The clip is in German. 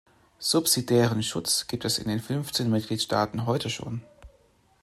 Subsidiären Schutz gibt es in den fünfzehn Mitgliedstaaten heute schon.